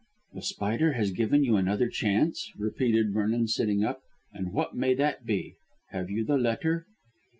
"The Spider has given you another chance," repeated Vernon sitting up. "And what may that be? Have you the letter?"